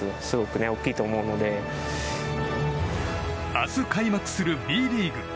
明日、開幕するＢリーグ。